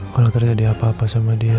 kalau terjadi apa apa sama dia